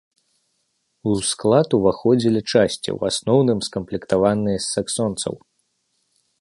У склад уваходзілі часці, ў асноўным скамплектаваныя з саксонцаў.